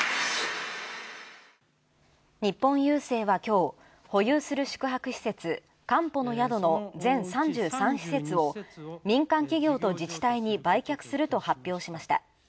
日本郵政は、きょう保有する宿泊施設・かんぽの宿の全３３施設を民間企業と自治体に売却すると発表しました。